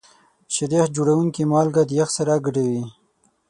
شیریخ جوړونکي مالګه د یخ سره ګډوي.